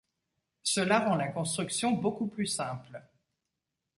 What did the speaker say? Cela rend la construction beaucoup plus simple.